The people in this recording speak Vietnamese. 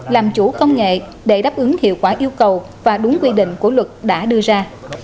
làm chủ công nghệ để đáp ứng hiệu quả yêu cầu và đúng quy định của luật đã đưa ra